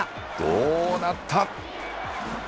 どうなった？